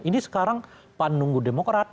ini sekarang pan nunggu demokrat